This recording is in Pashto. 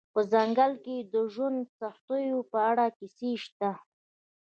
په ځنګل کې د ژوند سختیو په اړه کیسې شته